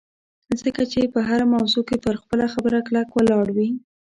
ځکه چې په هره موضوع کې پر خپله خبره کلک ولاړ وي